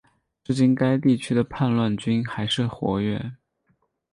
至今该地区的叛乱军还是活跃。